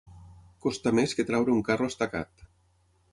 Costar més que treure un carro estacat.